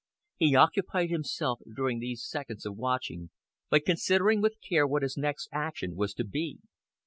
He occupied himself, during these seconds of watching, by considering with care what his next action was to be.